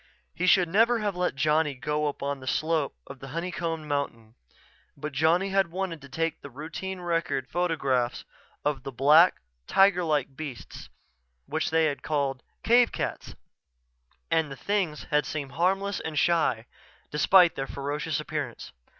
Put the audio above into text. He should never have let Johnny go alone up the slope of the honey combed mountain but Johnny had wanted to take the routine record photographs of the black, tiger like beasts which they had called cave cats and the things had seemed harmless and shy, despite their ferocious appearance.